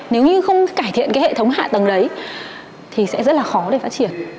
nếu như không cải thiện cái hệ thống hạ tầng đấy thì sẽ rất là khó để phát triển